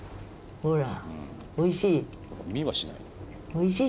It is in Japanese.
ほらおいしい？